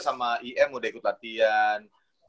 sama im udah ikut latihan